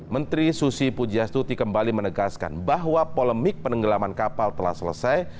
menteri susi pujiastuti kembali menegaskan bahwa polemik penenggelaman kapal telah selesai